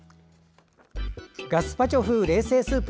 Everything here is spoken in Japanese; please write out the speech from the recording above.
ガスパチョ風冷製スープ